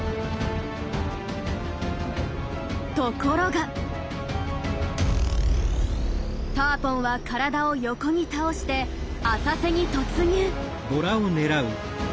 ところがターポンは体を横に倒して浅瀬に突入。